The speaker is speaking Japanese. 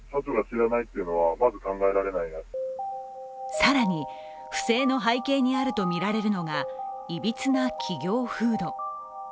更に不正の背景にあるとみられるのが、いびつな企業風土。